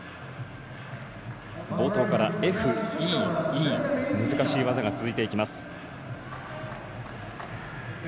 冒頭からＦ、Ｅ、Ｅ難しい技が続いていきます。